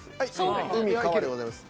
海川でございます。